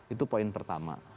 itu poin pertama